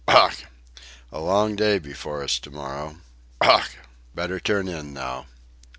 Ough! A long day before us to morrow.... Ough!... Better turn in now.